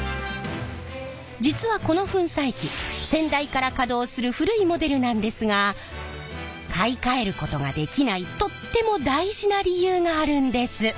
実はこの粉砕機先代から稼働する古いモデルなんですが買い替えることができないとっても大事な理由があるんです！